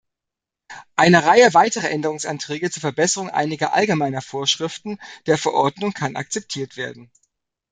Eine Reihe weiterer Änderungsanträge zur Verbesserung einiger allgemeiner Vorschriften der Verordnung kann akzeptiert werden.